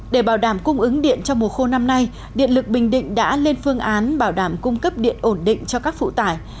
để bảo đảm cung ứng điện cho mùa khô năm nay điện lực bình định đã lên phương án bảo đảm cung cấp điện ổn định cho các phụ tải